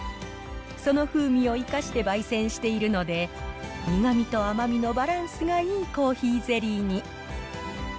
その風味を生かしてばい煎しているので、苦みと甘みのバランスがいいコーヒーゼリーに。